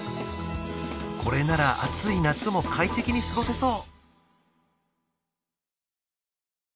これなら暑い夏も快適に過ごせそう！